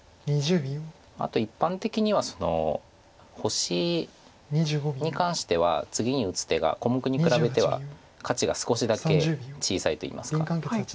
あと一般的には星に関しては次に打つ手が小目に比べては価値が少しだけ小さいといいますか。